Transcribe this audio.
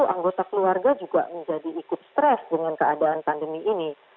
orang orang yang berusaha keluarga juga menjadi ikut stres dengan keadaan pandemi ini